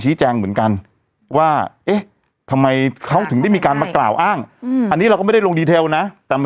ชี้แจงเหมือนกันว่า